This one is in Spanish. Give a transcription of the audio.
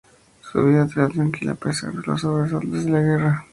Su vida es tranquila a pesar de los sobresaltos de la guerra.